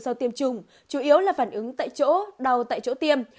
do tiêm chủng chủ yếu là phản ứng tại chỗ đau tại chỗ tiêm